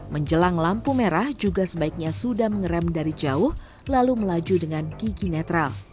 menjelang lampu merah juga sebaiknya sudah mengerem dari jauh lalu melaju dengan gigi netral